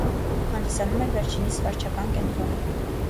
Հանդիսանում էր վերջինիս վարչական կենտրոնը։